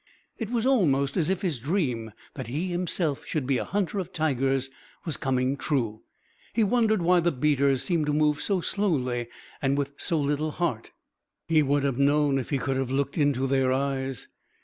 It was almost as if his dream that he himself should be a hunter of tigers was coming true. He wondered why the beaters seemed to move so slowly and with so little heart. He would have known if he could have looked into their eyes.